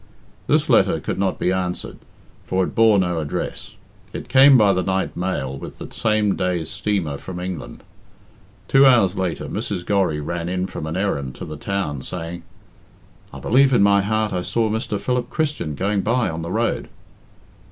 This letter could not be answered, for it bore no address. It came by the night mail with the same day's steamer from England. Two hours later Mrs. Gorry ran in from an errand to the town saying "I believe in my heart I saw Mr. Philip Christian going by on the road."